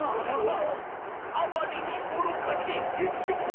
あまりに愚かしい殺生をしたと。